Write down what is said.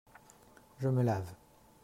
Je me lave.